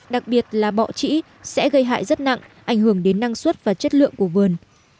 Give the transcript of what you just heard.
đặc biệt là bọ trĩ sẽ gây hại rất nặng ảnh hưởng đến năng suất và chất lượng của vườn